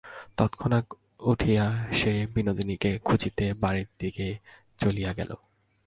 তৎক্ষণাৎ উঠিয়া সে বিনোদিনীকে খুঁজিতে বাড়ির দিকে চলিয়া গেল।